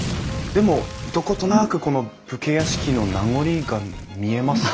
でもどことなくこの武家屋敷の名残が見えますよね。